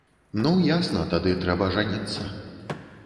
Ну, ясна, тады трэба жаніцца.